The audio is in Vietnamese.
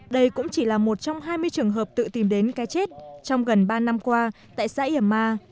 đây cũng chỉ là một trong hai mươi trường hợp tự tìm đến cái chết trong gần ba năm qua tại xã yể